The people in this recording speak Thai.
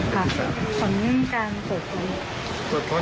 อยู่ที่สองก็เป็นตัวหาที่ในต้น